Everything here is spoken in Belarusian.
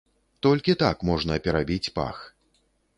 Толькі так можна перабіць пах.